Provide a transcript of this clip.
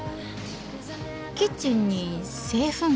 キッチンに製粉機が。